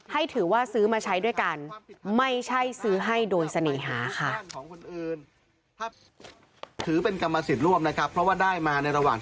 ให้ถือว่าซื้อมาใช้ด้วยกันไม่ใช่ซื้อให้โดยเสน่หาค่ะ